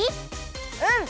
うん！